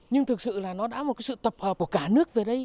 nhưng thực sự là nó đã một sự tập hợp của cả nước về đây